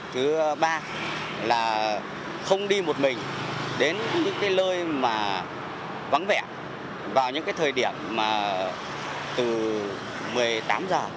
thứ ba không đi một mình đến những lơi vắng vẻ vào những thời điểm từ một mươi tám h